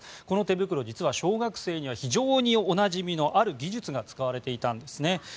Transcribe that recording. この手袋、実は小学生には非常におなじみのある技術が使われていたんですね。